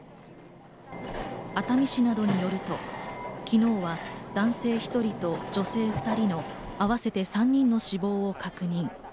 熱海市などによると、昨日は男性１人と女性２人の合わせて３人の死亡を確認。